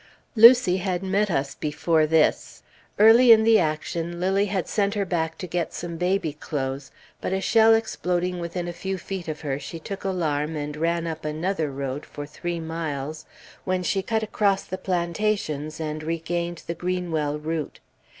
Lucy had met us before this; early in the action, Lilly had sent her back to get some baby clothes, but a shell exploding within a few feet of her, she took alarm, and ran up another road, for three miles, when she cut across the plantations and regained the Greenwell route.